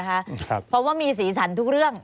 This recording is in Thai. เพราะว่ามีศีรษรรณะทุกเรื่อง